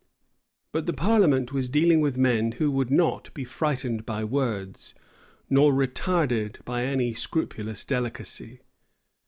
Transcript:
But the parliament was dealing with men who would not be frightened by words, nor retarded by any scrupulous delicacy.